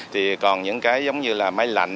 thì còn những cái giống như là máy lạnh